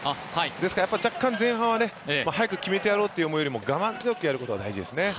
ですから若干前半は早く決めてやろうという思いよりも我慢強くやることが大事ですね。